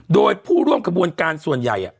โดยผู้ร่วมขบวนการส่วนใหญ่